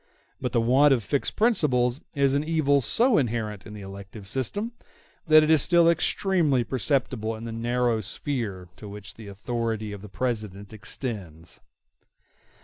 But the want of fixed principles is an evil so inherent in the elective system that it is still extremely perceptible in the narrow sphere to which the authority of the President extends.